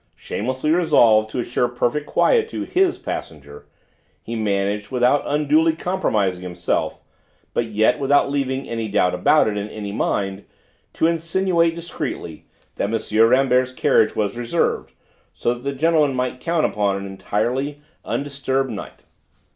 Shamelessly resolved to assure perfect quiet to "his" passenger, he managed, without unduly compromising himself but yet without leaving any doubt about it in any mind, to insinuate discreetly that M. Rambert's carriage was reserved, so that that gentleman might count upon an entirely undisturbed night.